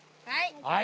はい！